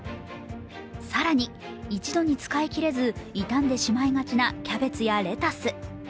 更に１度に使いきれず傷んでしまいがちなキャベツやレタス。